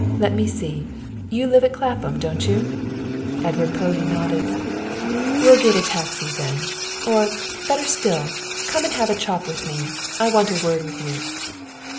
Let me see, you live at Clapham, don't you?" Edward Povey nodded. "We'll get a taxi, then or, better still, come and have a chop with me I want a word with you."